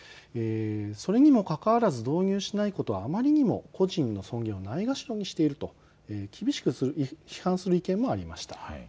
それにもかかわらず導入しないことはあまりにも個人の尊厳をないがしろにしていると厳しく批判する意見もありました。